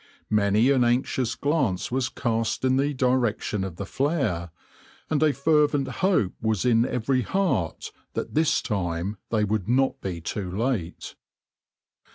Many an anxious glance was cast in the direction of the flare, and a fervent hope was in every heart that this time they would not be too late.